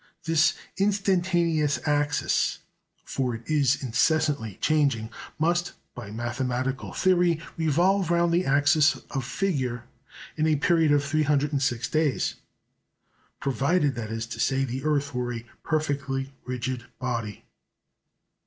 This "instantaneous axis" (for it is incessantly changing) must, by mathematical theory, revolve round the axis of figure in a period of 306 days. Provided, that is to say, the earth were a perfectly rigid body.